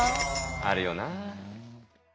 あるよな。